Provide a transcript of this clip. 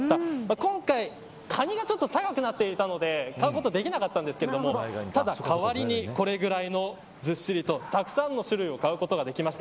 今回、カニがちょっと高くなっていたので買うことができなかったんですけどただ代わりに、これぐらいのずっしりとたくさんの種類を買うことができました。